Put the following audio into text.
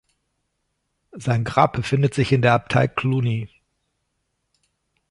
Sein Grab befindet sich in der Abtei Cluny.